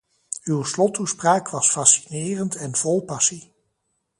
Uw slottoespraak was fascinerend en vol passie.